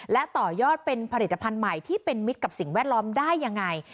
และต่อยอดเป็นผลิตภัณฑ์ใหม่ที่เป็นมิตรกับสิ่งแวดล้อมได้ยังไง